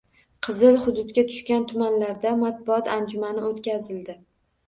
“Qizil hudud”ga tushgan tumanlarda matbuot anjumani o‘tkazildi